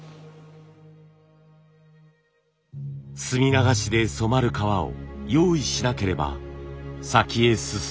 墨流しで染まる革を用意しなければ先へ進めない。